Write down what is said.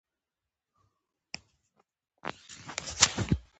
په خپله ورکې پسې هر مخ لټوي.